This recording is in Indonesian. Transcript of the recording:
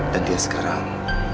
dan dia sekarang